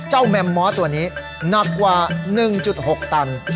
แมมม้อตัวนี้หนักกว่า๑๖ตัน